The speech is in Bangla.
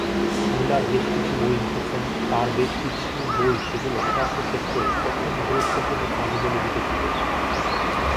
মিলার বেশ কিছু বই লিখেছেন, তার বেশ কিছু বই সেগুলোর স্ব স্ব ক্ষেত্রে প্রথম গুরুত্বপূর্ণ কাজ বলে বিবেচিত।